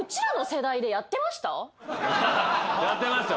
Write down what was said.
やってましたよ。